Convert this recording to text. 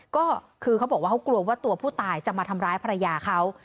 ก็คือเขาบอกว่าเขากลัวว่าตัวผู้ตายจะมาทำร้ายภรรยาเขา